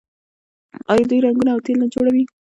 آیا دوی رنګونه او تیل نه جوړوي؟